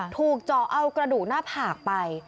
ถูกเจาะเอากระดูกหน้าผากไป